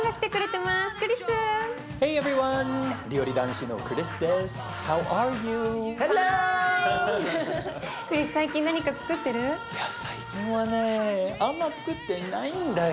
いや最近はねあんまつくってないんだよ